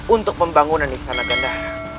untuk pembangunan istana gendah